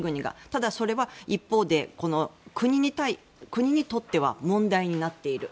ただそれは一方で、国にとっては問題になっている。